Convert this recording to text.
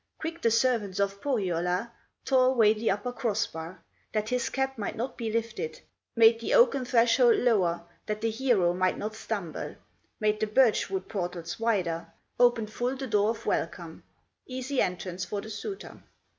Quick the servants of Pohyola Tore away the upper cross bar, That his cap might not be lifted; Made the oaken threshold lower That the hero might not stumble; Made the birch wood portals wider, Opened full the door of welcome, Easy entrance for the suitor.